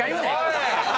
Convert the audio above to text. おい！